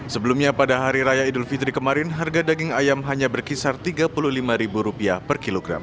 sebelumnya pada hari raya idul fitri kemarin harga daging ayam hanya berkisar rp tiga puluh lima per kilogram